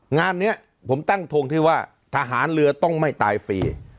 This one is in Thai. งานนี้ผมตั้งทงที่ว่าทหารเรือต้องไม่ตายฟรี